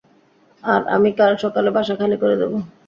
আর, - আমি কাল সকালে বাসা খালি করে দেব।